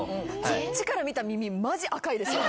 こっちから見た耳マジ赤いですよ。